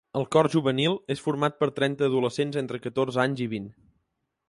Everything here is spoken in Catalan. El cor juvenil és format per trenta adolescents entre catorze anys i vint.